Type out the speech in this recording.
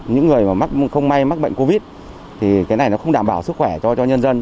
những người mà không may mắc bệnh covid thì cái này nó không đảm bảo sức khỏe cho nhân dân